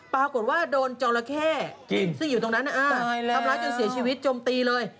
ปรากฏว่าโดนจอราเข้ซึ่งอยู่ตรงนั้นทำร้ายจนเสียชีวิตจมตีเลย